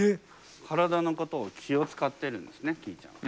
体のことを気を遣ってるんですねきーちゃんは。